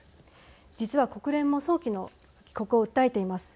実は国連も早期の帰国を訴えています。